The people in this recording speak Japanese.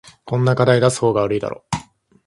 こんな課題出す方が悪いだろ